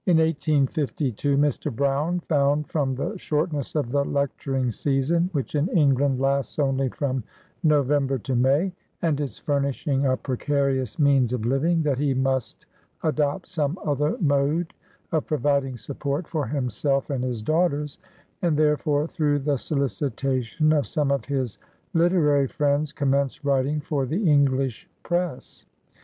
In 1852, Mr. Brown found, from the shortness of the lecturing season, which in England lasts only from November to May, and its furnishing a precarious means of living, that he must adopt some other mode of providing support for himself and his daughters, and therefore, through the solicitation of some of his lite rary friends, commenced writing for the English press.